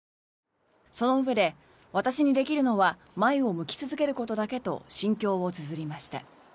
そのうえで、私にできるのは前を向き続けることだけと心境をつづりました。